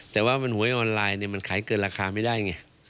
แต่ว่ามันหวยออนไลน์มันขายเกินราคาไม่ได้ไง